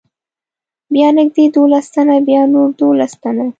بیا نږدې دولس تنه، بیا نور دولس تنه.